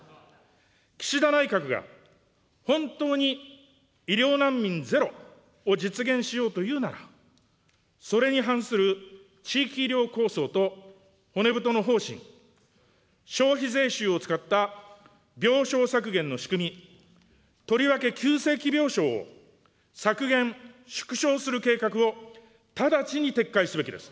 岸田内閣が本当に医療難民ゼロを実現しようというなら、それに反する地域医療構想と骨太の方針、消費税収を使った病床削減の仕組み、とりわけ急性期病床を削減・縮小する計画を直ちに撤回すべきです。